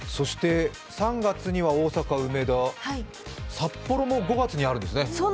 ３月には大阪・梅田、札幌も５月にあるんですね。